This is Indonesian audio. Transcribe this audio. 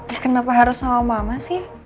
terus kenapa harus sama mama sih